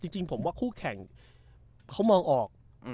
จริงผมว่าคู่แข่งเขามองออก